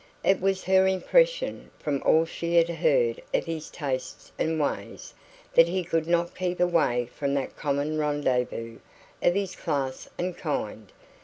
It was her impression, from all she had heard of his tastes and ways, that he could not keep away from that common rendezvous of his class and kind.